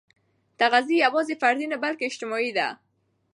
تغذیه یوازې فردي نه، بلکې اجتماعي ده.